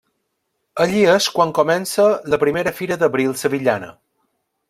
Allí és quan comença la primera Fira d'Abril sevillana.